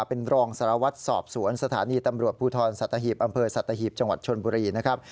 เป็นรองสารวัทย์สอบสวนสถานีตำรวจภูทรสัตหีบอันพลาดสัตหีบกรุงชนภูมิพุรีนะครับ